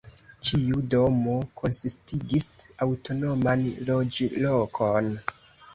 Ĉiu domo konsistigis aŭtonoman loĝlokon.